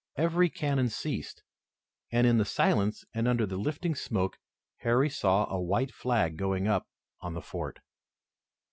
Every cannon ceased, and, in the silence and under the lifting smoke, Harry saw a white flag going up on the fort.